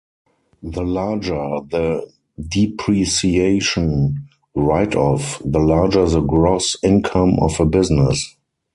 The larger the depreciation write-off, the larger the gross income of a business.